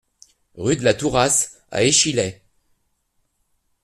Rue de la Tourasse à Échillais